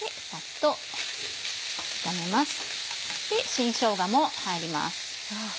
新しょうがも入ります。